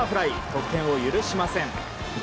得点を許しません。